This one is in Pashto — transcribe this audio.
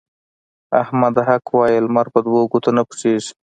احمده! حق وايه؛ لمر په دوو ګوتو نه پټېږي.